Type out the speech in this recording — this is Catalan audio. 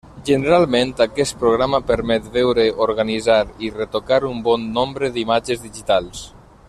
Generalment, aquest programa permet veure, organitzar i retocar un bon nombre d'imatges digitals.